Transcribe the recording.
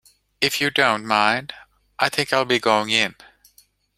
If you don't mind, I think I'll be going in.